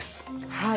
はい。